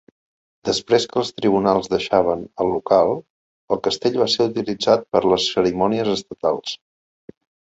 Després que els tribunals deixaven el local, el castell va ser utilitzat per a les cerimònies estatals.